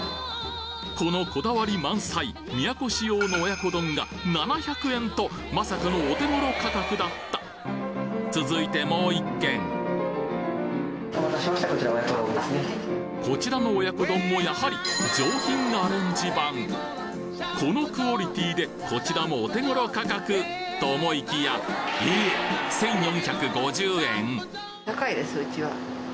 このこだわり満載都仕様の親子丼が７００円とまさかのお手頃価格だった続いてもう１軒こちらの親子丼もやはりこのクオリティーでこちらもお手頃価格と思いきやえっ１，４５０円！？